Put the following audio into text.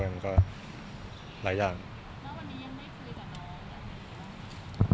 วันนี้ยังไม่ได้คุยกับน้องหรือเปล่า